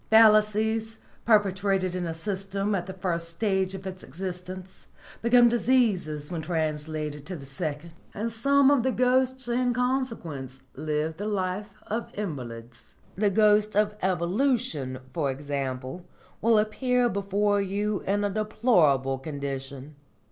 Fallacies perpetrated in a system at the first stage of its existence become diseases when translated to the second, and some of the ghosts in consequence live the life of invalids. The ghost of Evolution, for example, will appear before you in a deplorable condition.